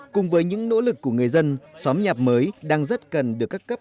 cùng với những nỗ lực của người dân xóm nhà mới đang rất cần được các cấp